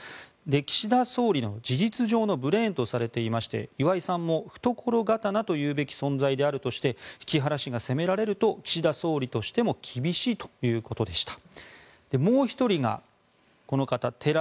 岸田総理の事実上のブレーンとされていまして岩井さんも懐刀といわれるべき存在だとしていまして岩井さんも木原さんが攻められると岸田総理としても厳しいということでした。